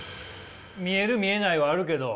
見える見えないはあるけど。